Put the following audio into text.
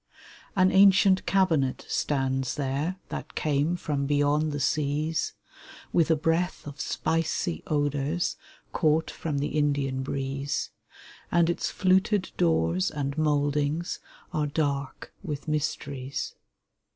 An ancient cabinet stands there, That came from beyond the seas, With a breath of spicy odors Caught from the Indian breeze ; And its fluted doors and moldings Are dark with mysteries